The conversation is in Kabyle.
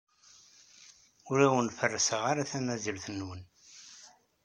Ur awen-ferrseɣ tamazirt-nwen.